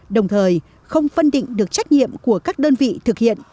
đồng thời không phân định được trách nhiệm của các đơn vị thực hiện